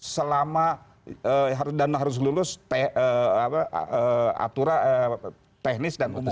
selama dan harus lulus aturan teknis dan umum